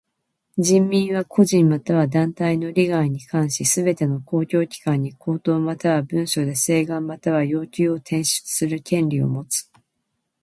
人民は個人または団体の利害に関しすべての公共機関に口頭または文書で請願または要求を提出する権利をもつ。